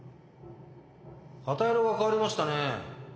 旗色が変わりましたね。